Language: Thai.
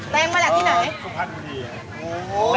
แตงมาแหละที่ไหน